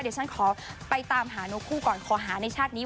เดี๋ยวฉันขอไปตามหานกคู่ก่อนขอหาในชาตินี้